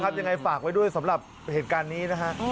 ยังไงฝากไว้ด้วยสำหรับเหตุการณ์นี้นะฮะ